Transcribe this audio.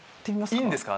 いいんですか？